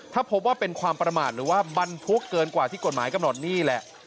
ถ้าพบว่าเป็นความประมาทหรือว่าบรรทุกเกินกว่าที่กฎหมายกำหนดนี่แหละ